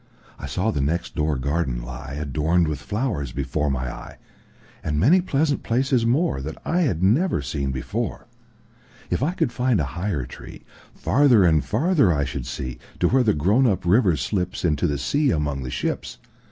I saw the next door garden lie, Adorned with flowers, before my eye, And many pleasant places moreThat I had never seen before. If I could find a higher treeFarther and farther I should see, To where the grown up river slipsInto the sea among the ships.